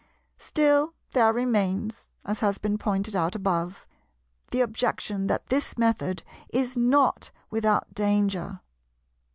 Still there remains, as has been pointed out above, the objection that this method is not without danger.